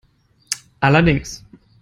Allerdings.